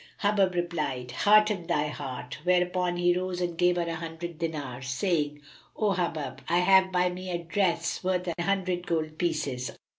Hubub replied, "Hearten thy heart;" whereupon he rose and gave her an hundred dinars, saying "O Hubub, I have by me a dress worth an hundred gold pieces."